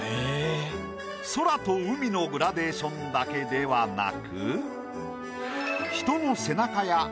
空と海のグラデーションだけではなく。